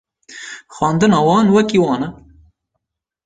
Xwendina wan wekî wan e